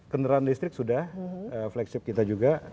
kendaraan listrik sudah flagship kita juga